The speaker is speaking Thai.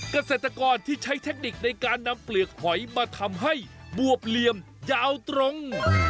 เกษตรกรที่ใช้เทคนิคในการนำเปลือกหอยมาทำให้บวบเหลี่ยมยาวตรง